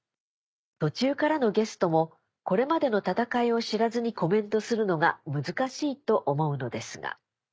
途中からのゲストもこれまでの戦いを知らずにコメントするのが難しいと思うのですが。